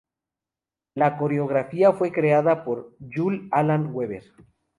La coreografía fue creada por Jull-Allan Weber.